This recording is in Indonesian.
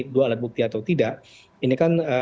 dua alat bukti atau tidak ini kan